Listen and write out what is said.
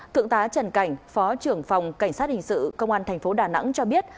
thượng tá trần cảnh phó trưởng phòng cảnh sát hình sự công an tp đà nẵng cho biết